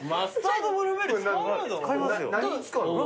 何に使うの？